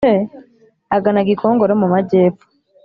agana gikongoro mu majyepfo